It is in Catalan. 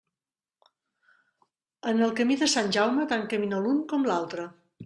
En el camí de Sant Jaume, tant camina l'un com l'altre.